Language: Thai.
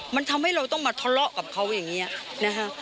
มันทำให้เราต้องมาทะเลาะกับเขาอย่างนี้นะคะ